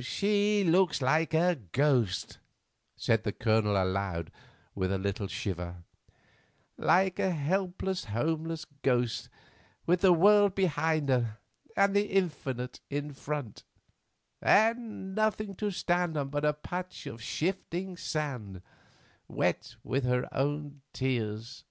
"She looks like a ghost," said the Colonel aloud with a little shiver, "like a helpless, homeless ghost, with the world behind her and the infinite in front, and nothing to stand on but a patch of shifting sand, wet with her own tears."